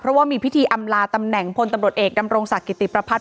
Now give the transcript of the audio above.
เพราะว่ามีพิธีอำลาตำแหน่งพลตำรวจเอกดำรงศักดิติประพัทธ